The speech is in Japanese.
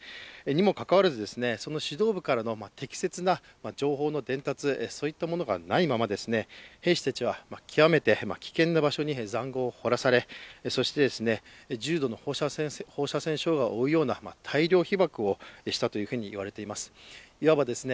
にもかかわらず、その指導部からの適切な情報の伝達がないまま、兵士たちは極めて危険な場所にざんごうを掘らされそして重度の放射線障害を負うような大量被ばくをしたというふうにいわれています